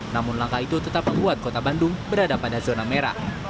namun langkah itu tetap membuat kota bandung berada pada zona merah